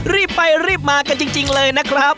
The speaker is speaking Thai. รีบไปรีบมากันจริงเลยนะครับ